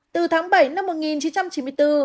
từ tháng bảy năm một nghìn chín trăm chín mươi bốn